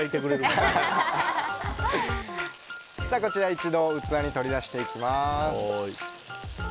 一度、器に取り出していきます。